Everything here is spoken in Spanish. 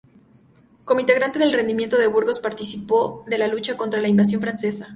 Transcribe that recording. Como integrante del regimiento de Burgos participó de la lucha contra la invasión francesa.